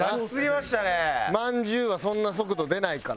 まんじゅうはそんな速度出ないから。